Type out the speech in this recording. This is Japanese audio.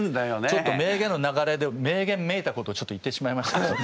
ちょっと名言の流れで名言めいたことをちょっと言ってしまいましたけども。